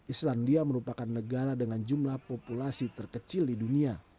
islandia merupakan negara dengan jumlah populasi terkecil di dunia